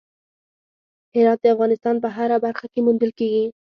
هرات د افغانستان په هره برخه کې موندل کېږي.